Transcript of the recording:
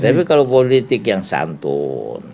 tapi kalau politik yang santun